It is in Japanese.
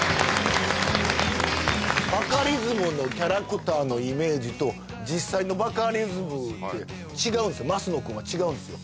バカリズムのキャラクターのイメージと実際のバカリズムって違うんですよ